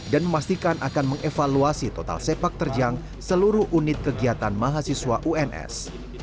dan memastikan akan mengevaluasi total sepak terjang seluruh unit kegiatan mahasiswa uns